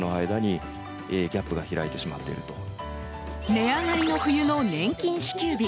値上がりの冬の年金支給日。